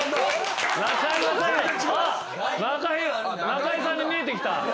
中居さんに見えてきた。